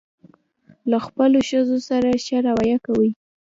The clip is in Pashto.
له خپلو ښځو سره ښه راویه وکوئ.